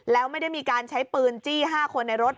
แล้วไม่ได้มีการใช้ปืนจี้๕คนในรถ